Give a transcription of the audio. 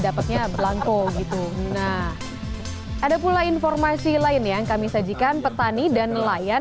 dapatnya belangko gitu nah ada pula informasi lain yang kami sajikan petani dan nelayan